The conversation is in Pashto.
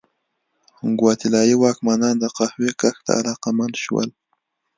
ګواتیلايي واکمنان د قهوې کښت ته علاقمند شول.